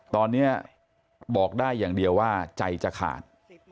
ตอนนี้บอกได้อย่างเดียวว่าใจจะขาด